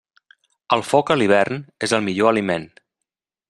El foc a l'hivern és el millor aliment.